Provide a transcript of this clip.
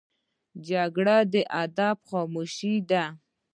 جګړه د ادب خاموشي ده